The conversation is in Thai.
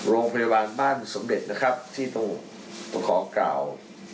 โรงพยาบาลบ้านสมเด็จนะครับที่ต้องขอกล่าว